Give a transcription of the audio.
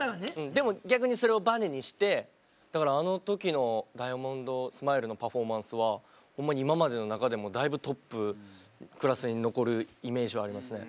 でも逆にそれをバネにしてあの時の「ダイヤモンドスマイル」のパフォーマンスはほんまに今までの中でもだいぶトップクラスに残るイメージはありますね。